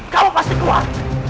kau pasti kuat